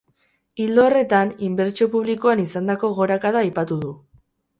Ildo horretan, inbertsio publikoan izandako gorakada aipatu du.